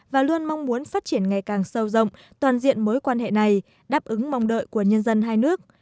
và luôn mong muốn phát triển ngày càng sâu rộng toàn diện mối quan hệ này đáp ứng mong đợi của nhân dân hai nước